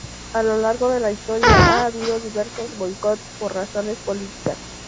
A lo largo de la historia ha habido diversos boicots por razones políticas.